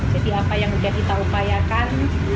jadi apa yang kita upayakan